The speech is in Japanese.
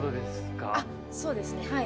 そうですねはい。